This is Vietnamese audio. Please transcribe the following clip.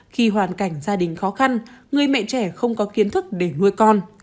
khi hoàn cảnh gia đình khó khăn người mẹ trẻ không có kiến thức để nuôi con